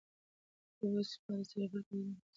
د اوبو سپما د چاپېریال توازن خوندي ساتي.